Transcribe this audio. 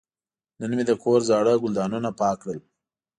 نن مې د کور زاړه ګلدانونه پاک کړل.